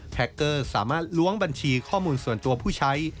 เกอร์สามารถล้วงบัญชีข้อมูลส่วนตัวผู้ใช้